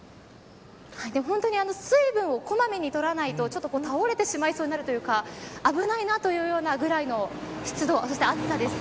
本当に水分を小まめに取らないとちょっと倒れてしまいそうになるというか危ないなというぐらいの湿度、そして暑さです。